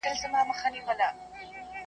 زه حاصل غواړم له مځکو د باغلیو .